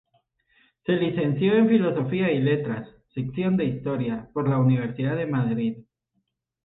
Se licenció en Filosofía y Letras, Sección de Historia, por la Universidad de Madrid.